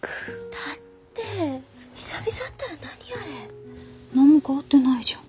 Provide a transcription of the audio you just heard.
だって久々会ったら何あれ。何も変わってないじゃん。